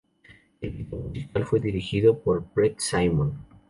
El video musical fue dirigido por Brett Simon.